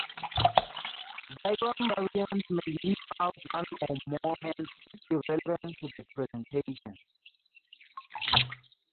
Diagram variants may leave out one or more hands if irrelevant to the presentation.